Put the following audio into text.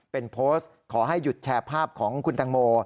เป็นโพสต์ขอให้หยุดแชร์ภาพของคุณตังโม